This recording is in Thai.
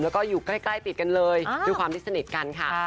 แล้วก็อยู่ใกล้ติดกันเลยด้วยความที่สนิทกันค่ะ